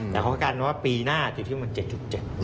แต่เขาก็กันว่าปีหน้าจะอยู่ที่ประมาณ๗๗